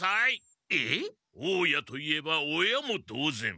大家といえば親も同ぜん。